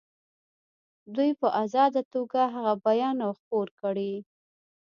دوی په آزاده توګه هغه بیان او خپور کړي.